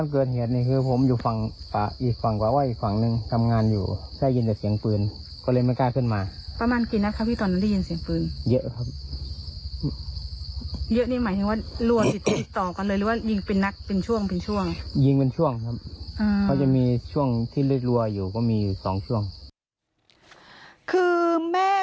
คือแม่ของเขา